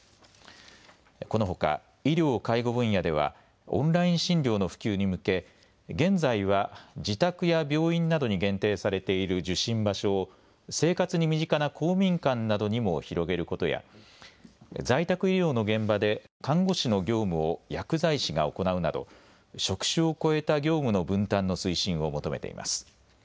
このほか医療・介護分野ではオンライン診療の普及に向け現在は自宅や病院などに限定されている受診場所を生活に身近な公民館などにも広げることや在宅医療の現場で看護師の業務を薬剤師が行うなど職種を超えた業務の分担の推進を求めています。